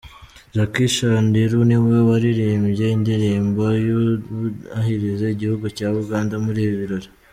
Jackie Chandiru niwe waririmbye indirimbo yubahiriza igihugu cya Uganda muri ibi birori.